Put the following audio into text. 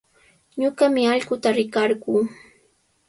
Ñuqami allquta rikarquu.